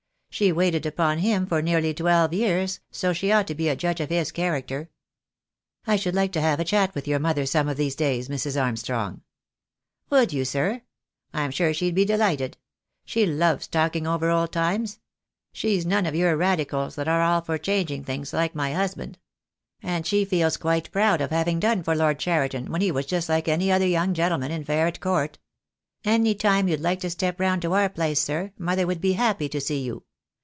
She waited upon him for nearly twelve years, so she ought to be a judge of his character." "I should like to have a chat with your mother some of these days, Mrs. Armstrong." "Would you, sir? I'm sure she'd be delighted. She loves talking over old times. She's none of your Radicals, that are all for changing things, like my husband. She looks up to her superiors, and she feels quite proud of having done for Lord Cheriton when he was just like any other young gentleman in Ferret Court. Any time you'd like to step round to our place, sir, mother would be happy to see you.